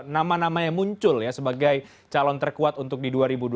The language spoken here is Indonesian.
nama namanya muncul sebagai calon terkuat untuk di dua ribu dua puluh empat